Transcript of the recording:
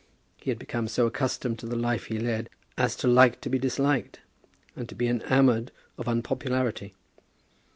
He had become so accustomed to the life he led as to like to be disliked, and to be enamoured of unpopularity.